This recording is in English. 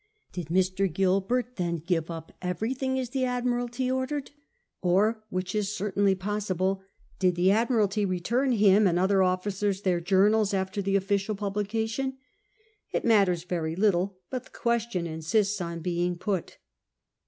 Did Mr. Gilbert then give up everything, as the Ad miralty ordered 1 Or — which is certaiidy possible — did the Admiralty return him, and other officers, their journals after the official publication 1 It matters very little, but the question insists on being put.